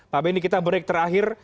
pak benny kita break terakhir